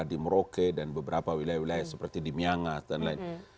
di merauke dan beberapa wilayah wilayah seperti di miangas dan lain